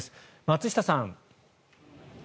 松下さん。